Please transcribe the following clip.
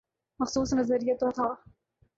مخصوص نظریہ تو تھا۔